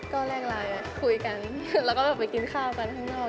ก็แรกไลน์คุยกันแล้วก็แบบไปกินข้าวกันข้างนอก